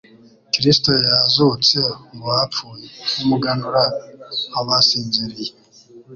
Kristo yazutse mu bapfuye, nk'umuganura w'abasinziriye.